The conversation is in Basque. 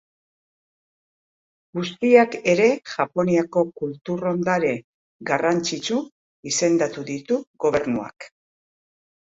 Guztiak ere Japoniako Kultur Ondare garrantzitsu izendatu ditu gobernuak.